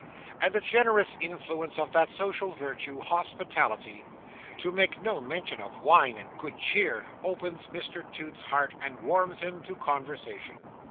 And the generous influence of that social virtue, hospitality (to make no mention of wine and good cheer), opens Mr Toots's heart, and warms him to conversation.